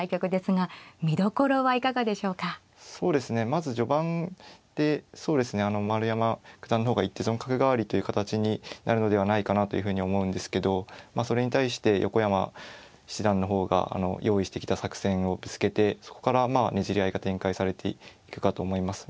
まず序盤で丸山九段の方が一手損角換わりという形になるのではないかなというふうに思うんですけどまあそれに対して横山七段の方があの用意してきた作戦をぶつけてそこからまあねじり合いが展開されていくかと思います。